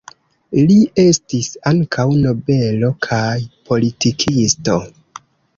Li estis ankaŭ nobelo kaj politikisto.